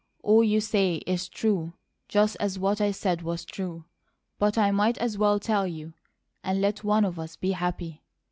"All you say is true; just as what I said was true; but I might as well tell you, and let one of us be happy.